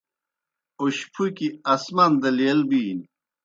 اوشپُھکیْ آسمان دہ لیل بِینیْ۔